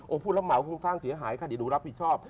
โอ้พูดละหมายว่าคุณท่านเสียหายค่ะดิหนูรับผิดชอบ